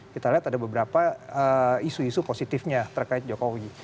kita lihat ada beberapa isu isu positifnya terkait jokowi